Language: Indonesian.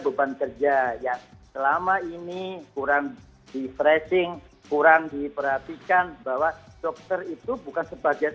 webat kerjaya selama ini kurang konflik racing kurang diperhatikan bahwa dokter itu bukan sebagian